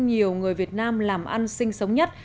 nhiều người việt nam làm ăn sinh sống nhất